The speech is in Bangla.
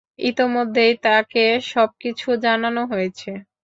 ইতোমধ্যেই তাকে সবকিছু জানানো হয়েছে।